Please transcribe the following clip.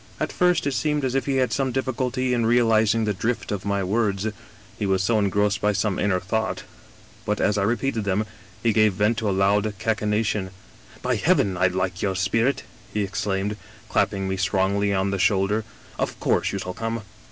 " At first it seemed as if he had some difficulty in realiz ing the drift of my words, he was so engrossed by some inner thought. But as I repeated them, he gave vent to a loud cachinnation. "* By heaven! I like your spirit,' he exclaimed, clapping me strongly on the shoulder. * Of course you shall come.